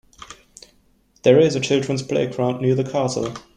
There is a children's playground near the castle.